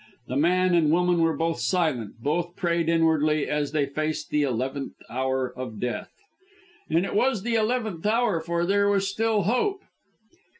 The man and woman were both silent, and both prayed inwardly, as they faced the eleventh hour of death. And it was the eleventh hour, for there was still hope.